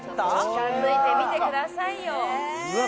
近づいて見てくださいようわ